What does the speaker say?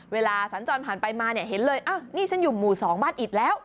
เวลาสัญจรผ่านไปมาเห็นเลยนี่ฉันอยู่หมู่๒บ้านอีกแล้ว